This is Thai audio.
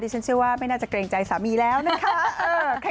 ฉันเชื่อว่าไม่น่าจะเกรงใจสามีแล้วนะคะ